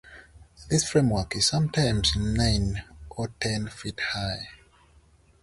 This framework is sometimes nine or ten feet high.